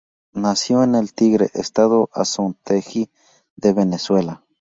Nació en El Tigre, Estado Anzoátegui de Venezuela.